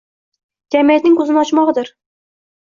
jamiyatning ko‘zini ochmog‘idir.